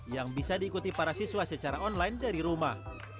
yang bisa diikuti para siswa secara online dari rumah